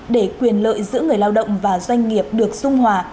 để quyền lợi giữa người lao động và doanh nghiệp được dung hòa